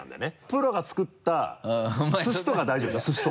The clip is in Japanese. プロが作ったすしとか大丈夫でしょ？